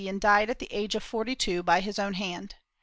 and died at the age of forty two by his own hand.